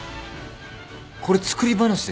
これ作り話ですか？